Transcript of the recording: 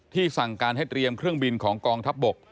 สั่งการให้เตรียมเครื่องบินของกองทัพบก